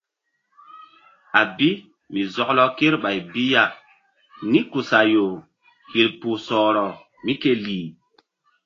A bi mi zɔklɔ kreɓay bi ya nikusayo hil kpuh sɔhrɔ mí ke lih.